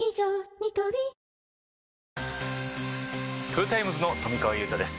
ニトリトヨタイムズの富川悠太です